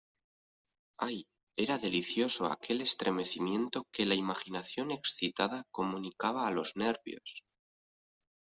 ¡ ay, era delicioso aquel estremecimiento que la imaginación excitada comunicaba a los nervios!...